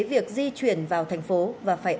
việc di chuyển vào thành phố và phải